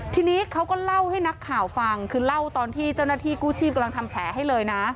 ทีนี้เขาก็เล่าให้นักข่าวฟังคือเล่าตอนที่เจ้าหน้าที่กู้ชีพกำลังทำแผลให้เลยนะ